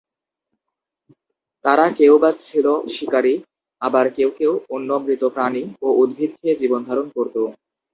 তারা কেউ বা ছিল শিকারী, আবার কেউ কেউ অন্য মৃত প্রাণী ও উদ্ভিদ খেয়ে জীবনধারণ করত।